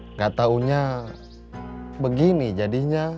nggak taunya begini jadinya